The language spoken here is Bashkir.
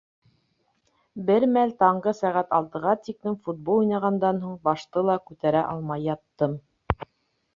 Бер мәл таңгы сәғәт алтыға тиклем футбол уйнағандан һуң башты ла күтәрә алмай яттым.